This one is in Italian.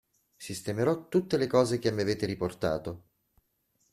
Sistemerò tutte le cose che mi avete riportato!